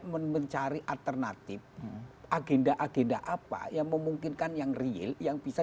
personal dia tidak mencari alternatif agenda agenda apa yang memungkinkan yang real yang bisa